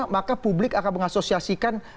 maka publik akan mengasosiasikan